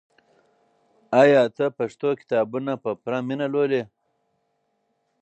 آیا ته پښتو کتابونه په پوره مینه لولې؟